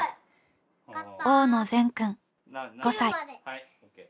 大野善くん５歳。